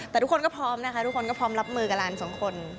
แต่ทุกคนก็พร้อมนะคะทุกคนก็พร้อมรับมือกับหลานสองคน